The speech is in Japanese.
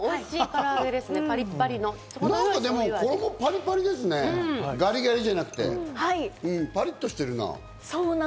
衣パリパリですね、ガリガリじゃなくて、パリっとしてるな。